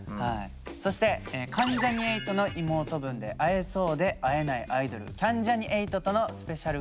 そして関ジャニ∞の妹分で会えそうでえないアイドルキャンジャニ∞とのスペシャルコラボ。